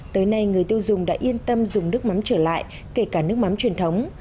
tới nay người tiêu dùng đã yên tâm dùng nước mắm trở lại kể cả nước mắm truyền thống